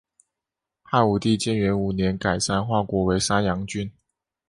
汉武帝建元五年改山划国为山阳郡。